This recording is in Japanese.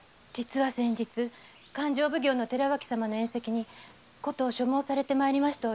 先日勘定奉行の寺脇様の宴席に琴を所望されて参りました折。